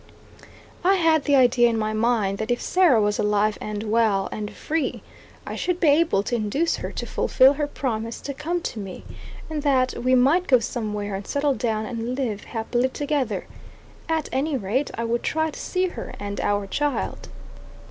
I had the idea in my mind that if Sarah was alive and well, and free, I should be able to induce her to fulfil her promise to come to me, and that we might go somewhere and settle down and live happily together. At any rate, I would try to see her and our child.